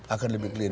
akan lebih clear